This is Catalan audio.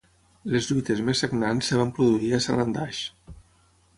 Les lluites més sagnants es van produir a Sanandaj.